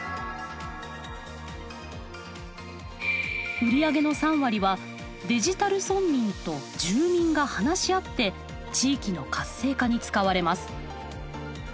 売上の３割はデジタル村民と住民が話し合って地域の活性化に使われます。